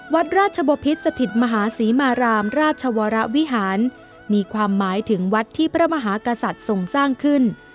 วัดราชบพิษสถิตมหาศรีมารามราชวรวิหารมีความหมายถึงวัดที่พระมหากษัตริย์ทรงสร้างขึ้น